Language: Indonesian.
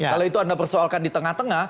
kalau itu anda persoalkan di tengah tengah